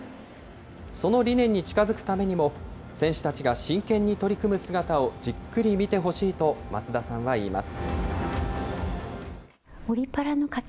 その理念に近づくためにも、選手たちが真剣に取り組む姿を、じっくり見てほしいと増田さんは言います。